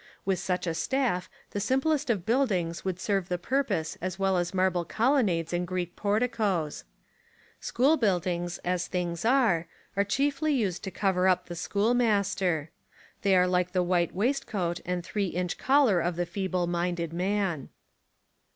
With such a staff the simplest of buildings would serve the purpose as well as marble colonnades and Greek porticos. School buildings, as things are, are chiefly used to cover up the schoolmaster. They are like the white waistcoat and three inch collar of the feeble minded man.